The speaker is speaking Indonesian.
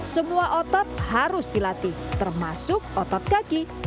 semua otot harus dilatih termasuk otot kaki